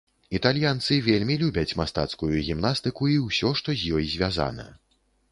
Італьянцы вельмі любяць мастацкую гімнастыку і ўсё, што з ёй звязана.